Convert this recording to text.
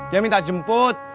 dia minta jemput